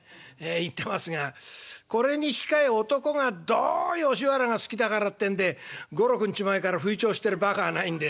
言ってますがこれに引き換え男がどう吉原が好きだからってんで５６日前から吹聴しているバカはないんで。